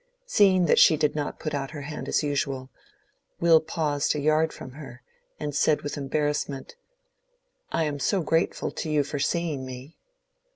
Seeing that she did not put out her hand as usual, Will paused a yard from her and said with embarrassment, "I am so grateful to you for seeing me."